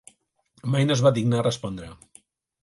Mai no es va dignar a respondre.